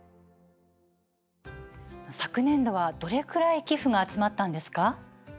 昨年度は、どれぐらい寄付が集まったんですか？